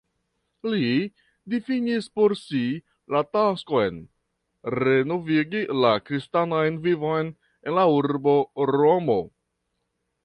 Li difinis por si la taskon renovigi la kristanan vivon en la urbo Romo.